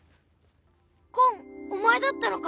ごんお前だったのか。